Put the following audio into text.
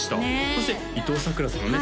そして伊藤さくらさんはね